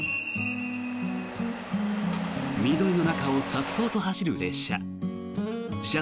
緑の中をさっそうと走る列車。